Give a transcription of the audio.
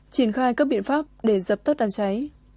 triển khai các biện pháp để dập tất đàn cháy